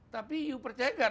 tapi anda percaya tidak